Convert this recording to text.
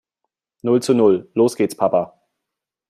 Null zu null. Los geht's Papa!